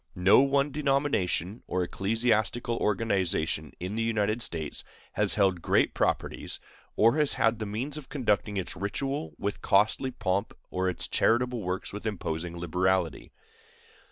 No one denomination or ecclesiastical organization in the United States has held great properties, or has had the means of conducting its ritual with costly pomp or its charitable works with imposing liberality.